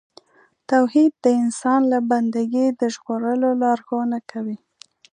توحید د انسان له بندګۍ د ژغورلو لارښوونه کوي.